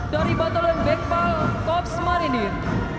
dari batalion beckpal korps marinir